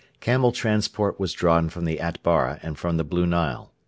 Camel transport was drawn from the Atbara and from the Blue Nile.